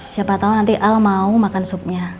siapa tahu nanti al mau makan supnya